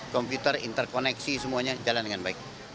komputer interkoneksi semuanya jalan dengan baik